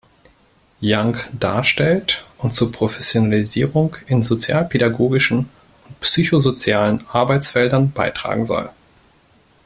Young darstellt und zur Professionalisierung in sozialpädagogischen und psychosozialen Arbeitsfeldern beitragen soll.